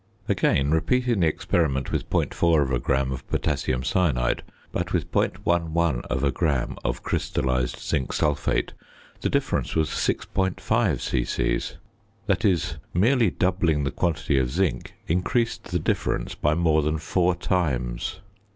Again, repeating the experiment with .4 gram of potassium cyanide, but with .11 gram of crystallised zinc sulphate, the difference was 6.5 c.c.: that is, merely doubling the quantity of zinc increased the difference by more than four times.